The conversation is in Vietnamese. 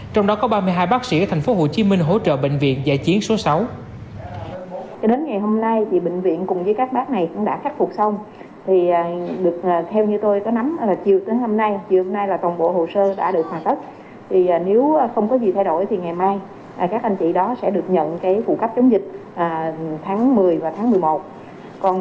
trong đó có ba mươi hai bác sĩ ở tp hcm hỗ trợ bệnh viện giải trí số sáu